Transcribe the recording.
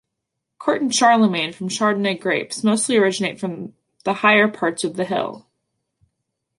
Corton-Charlemagne from Chardonnay grapes mostly originate from the higher parts of the hill.